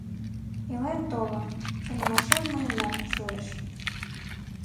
Илен-толын, шонымашем мыйынат шуэш.